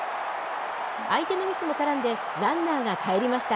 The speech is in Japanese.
相手のミスも絡んでランナーがかえりました。